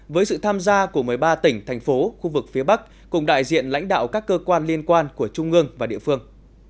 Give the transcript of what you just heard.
với sự tham gia của một mươi ba tỉnh thành phố khu vực phía bắc cùng đại diện lãnh đạo các cơ quan liên quan của trung ương và địa phương